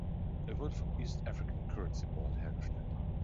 Er wurde vom East African Currency Board hergestellt.